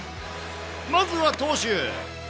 まずは投手。